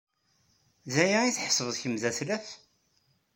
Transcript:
D aya ay tḥesbed kemm d altaf?